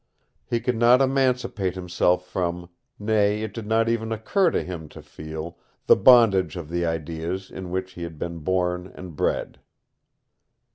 He could not emancipate himself from, nay, it did not even occur to him to feel, the bondage of the ideas in which he had been born and bred.